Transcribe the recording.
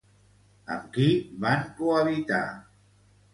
Amb qui van cohabitar?